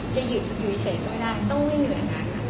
จะหยุดอยู่อีเศษก็ไม่ได้ต้องวิ่งอยู่ในนั้น